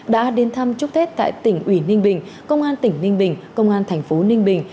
đã đến thăm chúc tết tại tỉnh ủy ninh bình công an tỉnh ninh bình công an thành phố ninh bình